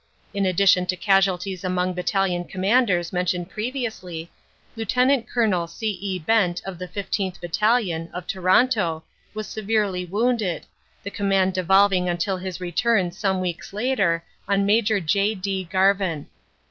In addition to casualties among Battalion Commanders mentioned previously, Lt. Col. C. E. Bent of the 15th. Battalion, of Toronto, was severely wounded, the command devolving until his return some weeks later on Maj. J. D. Garvan.